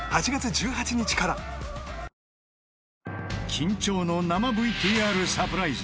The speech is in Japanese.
緊張の生 ＶＴＲ サプライズ